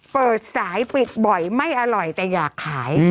เปิดสายปิดบ่อยไม่อร่อยแต่อยากขาย